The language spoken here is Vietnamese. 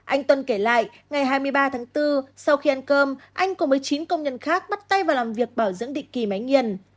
anh tuân kể lại ngày hai mươi ba tháng bốn sau khi ăn cơm anh cùng với chín công nhân khác bắt tay vào làm việc bảo dưỡng định kỳ máy nghiền